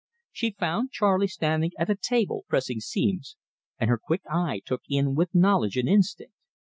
She found Charley standing at a table pressing seams, and her quick eye took him in with knowledge and instinct.